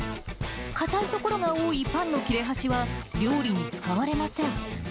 硬いところが多いパンの切れ端は料理に使われません。